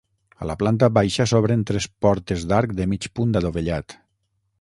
A la planta baixa s'obren tres portes d'arc de mig punt adovellat.